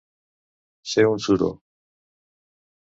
Ser un suro.